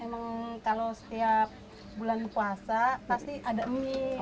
emang kalau setiap bulan puasa pasti ada mie